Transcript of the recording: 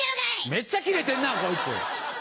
めっちゃキレてんなこいつ。